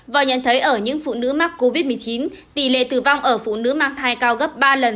và nhận thấy ở những phụ nữ mắc covid một mươi chín tỷ lệ tử vong ở phụ nữ mang thai cao gấp ba lần